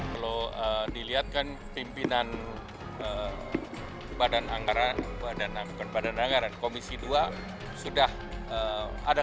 kalau dilihatkan pimpinan badan anggaran komisi dua sudah ada kesepakatan